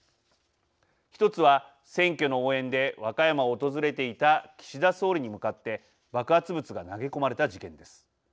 １つは選挙の応援で和歌山を訪れていた岸田総理に向かって爆発物が投げ込まれた事件です。